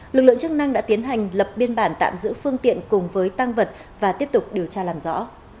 lực lượng chức năng đã tiến hành lập biên bản tạm giữ phương tiện cùng với tăng vật và tiếp tục điều tra làm rõ